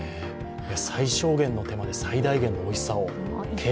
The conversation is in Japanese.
最小限の手間で最大限のおいしさを。